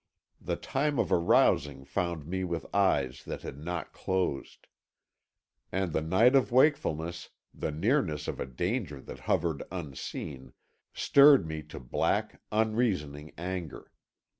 The time of arising found me with eyes that had not closed; and the night of wakefulness, the nearness of a danger that hovered unseen, stirred me to black, unreasoning anger.